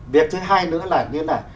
việc thứ hai nữa là như là